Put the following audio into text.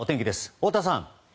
太田さん。